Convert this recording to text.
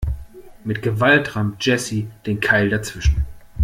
Mit Gewalt rammt Jessy den Keil dazwischen.